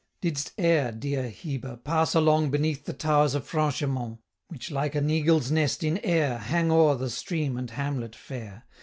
Did'st e'er, dear Heber, pass along Beneath the towers of Franchemont, Which, like an eagle's nest in air, 170 Hang o'er the stream and hamlet fair?